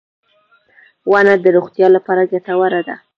• ونه د روغتیا لپاره ګټوره ده.